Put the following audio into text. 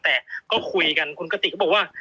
แต่ก็คุยกันคุณกติกก็บอกว่า